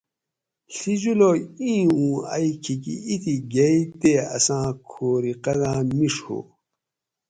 ڷی جولاگ اِیں اوں ائی کھیکی اِتھی گیئے تے اساں کھوری قداۤم مِیڄ ہو